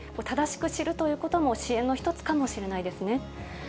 正しく知るということも、支援の一つかもしれないですね。